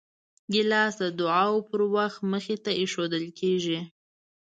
ګیلاس د دعاو پر وخت مخې ته ایښودل کېږي.